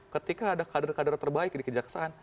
ketika ada kader kader terbaik di kejaksaan